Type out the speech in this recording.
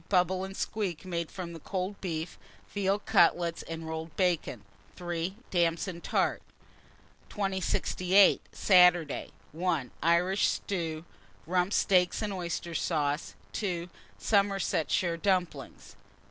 Bubble and squeak, made from cold beef; veal cutlets and rolled bacon. 3. Damson tart. 2068. Saturday. 1. Irish stew, rump steaks and oyster sauce. 2. Somersetshire dumplings.